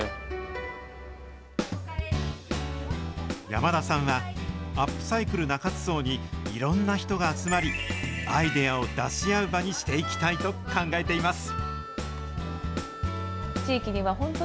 山田さんは、アップサイクル中津荘にいろんな人が集まり、アイデアを出し合う場にしていきたいと考えています。